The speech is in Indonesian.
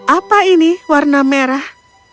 apa ini warna merah